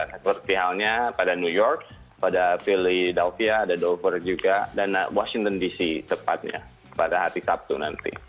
seperti halnya pada new york pada philley dalvia ada dover juga dan washington dc tepatnya pada hari sabtu nanti